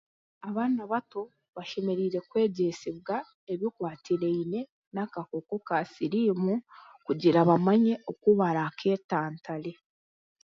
Abaana baato bashemereire kwegyesebwa ebikwatirine n'akakooko ka siriimu kugira bamanye oku baraketantaare.